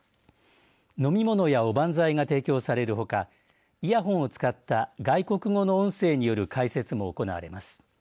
飲み物やおばんざいが提供されるほかイヤホンを使った外国語の音声による解説も行われます。